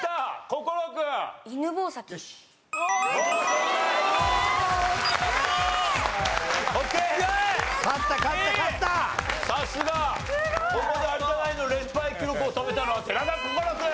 ここで有田ナインの連敗記録を止めたのは寺田心君！